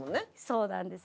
そうなんです。